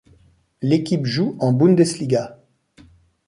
L'équipe joue en Bundesliga.